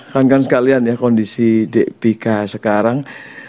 kan kan sekalian ya kondisi dek pika sekarang